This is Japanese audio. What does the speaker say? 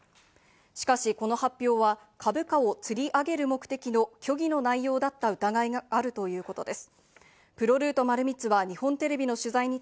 しかしこの発表は、株価をつり上げる目的の虚偽の内容だった疑いがあるということです。